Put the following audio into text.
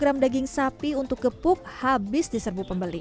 dalam sehari delapan kg daging sapi untuk gepuk habis diserbu pembeli ini